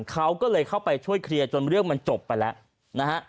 เขาก็เลยเข้าไปช่วยเคลียร์จนเรื่องมันจบไปแล้วนะฮะ